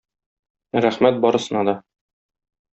Рәхмәт барысына да.